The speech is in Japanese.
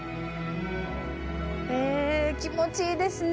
へえ気持ちいいですね。